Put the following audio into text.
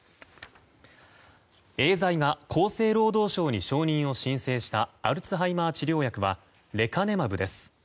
エーザイが厚生労働省に承認を申請したアルツハイマー治療薬はレカネマブです。